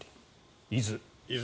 伊豆。